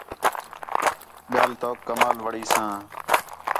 ٻِیال توک کمال وڑی ساں